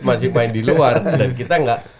masih main di luar dan kita nggak